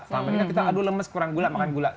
selama itu kita aduh lemes kurang gula makan gula